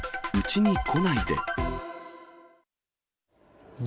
うちに来ないで。